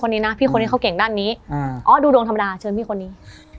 ในเก่งด้านนี้ดูโดงธรรมดาเชิญพี่คนนี้